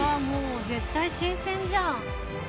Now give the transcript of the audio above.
もう絶対新鮮じゃん。